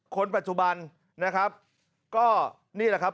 คนปัจจุบันนะครับก็นี่แหละครับ